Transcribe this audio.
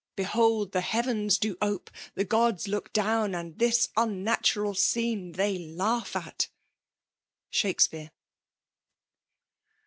Behold the Heavens do ope% The Gods look down, and this unnatural wene They laugh at ! Sbakbfiari.